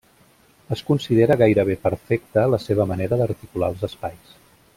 Es considera gairebé perfecta la seva manera d'articular els espais.